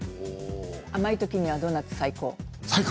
甘いときにはドーナツ最高。